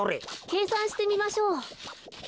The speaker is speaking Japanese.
けいさんしてみましょう。